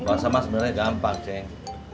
kuasa emang sebenarnya gampang ceng